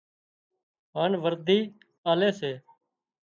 هانَ ورڌِي آلي سي